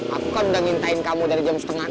aku kan udah ngintain kamu dari jam setengah enam